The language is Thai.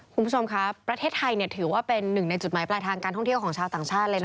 คุณผู้ชมครับประเทศไทยถือว่าเป็นหนึ่งในจุดหมายปลายทางการท่องเที่ยวของชาวต่างชาติเลยนะ